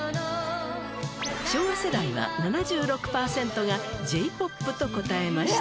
昭和世代は７６パーセントがＪ−ＰＯＰと答えました。